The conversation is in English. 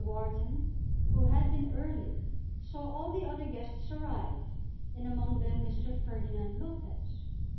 Wharton, who had been early, saw all the other guests arrive, and among them Mr. Ferdinand Lopez.